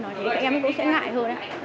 nói thế em cũng sẽ ngại hơn ạ